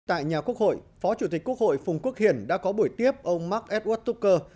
tại nhà quốc hội phó chủ tịch quốc hội phùng quốc hiển đã có buổi tiếp ông mark edward tucker